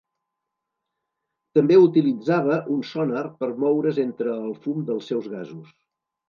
També utilitzava un sonar per moure's entre el fum dels seus gasos.